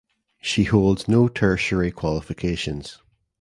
She holds no tertiary qualifications.